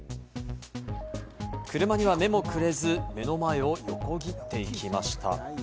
車には目もくれず目の前を横切っていきました。